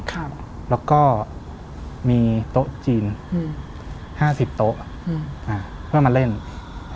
ครับแล้วก็มีโต๊ะจีนอืมห้าสิบโต๊ะอ่ะอืมอ่าเพื่อมาเล่นอ่า